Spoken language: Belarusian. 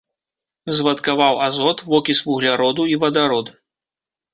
Звадкаваў азот, вокіс вугляроду і вадарод.